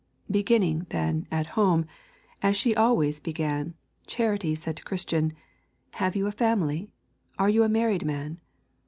Beginning, then, at home, as she always began, Charity said to Christian, 'Have you a family? Are you a married man?'